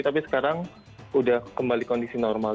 tapi sekarang sudah kembali kondisi normal